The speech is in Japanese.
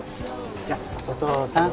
じゃあお父さん。